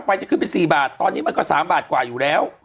ไฟจะขึ้นเป็นสี่บาทตอนนี้มันก็สามบาทกว่าอยู่แล้ว